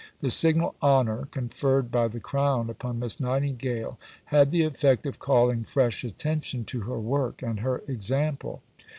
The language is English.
The signal honour conferred by the Crown upon Miss Nightingale had the effect of calling fresh attention to her work and her example.